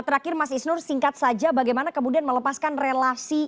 terakhir mas isnur singkat saja bagaimana kemudian melepaskan relasi